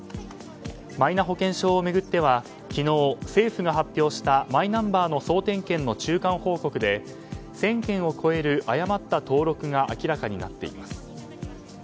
マイナ保険証を巡っては昨日、政府が発表したマイナンバーの総点検の中間報告で１０００件を超える誤った登録が明らかになっています。